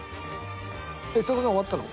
えっちさ子ちゃん終わったの？